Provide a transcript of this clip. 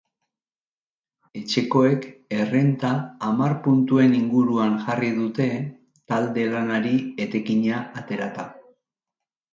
Etxekoek errenta hamar puntuen inguruan jarri dute talde-lanari etekina aterata.